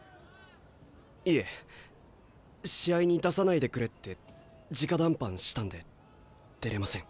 いえ試合に出さないでくれってじか談判したんで出れません。